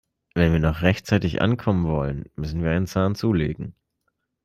Wenn wir noch rechtzeitig ankommen wollen, müssen wir einen Zahn zulegen.